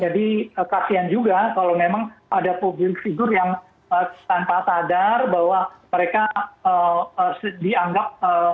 jadi kasihan juga kalau memang ada public figure yang tanpa sadar bahwa mereka dianggap